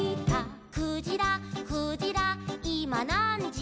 「クジラクジラいまなんじ」